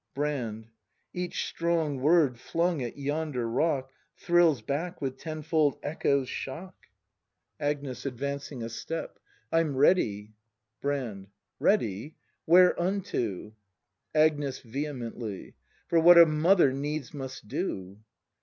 Brand. Each strong word flung at yonder rock Thrills back with tenfold echo's shock. 146 BRAND [act in Agnes. [Advancing a step.] I'm ready! Brand. Ready ? Whereunto ? Agnes. [Vehemently.] For what a mother needs must do!